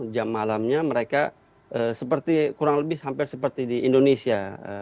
jam malamnya mereka seperti kurang lebih hampir seperti di indonesia